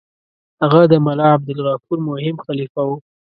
هغه د ملا عبدالغفور مهم خلیفه وو.